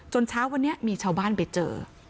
เช้าวันนี้มีชาวบ้านไปเจอ